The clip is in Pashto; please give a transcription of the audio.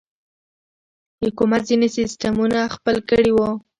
د حکومت ځينې سسټمونه خپل کړي وو.